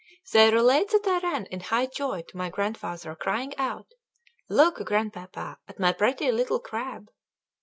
They relate that I ran in high joy to my grandfather, crying out: "Look, grandpapa, at my pretty little crab."